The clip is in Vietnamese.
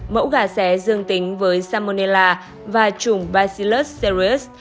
mẫu gà xé dương tính với salmonella và trùng bacillus cereus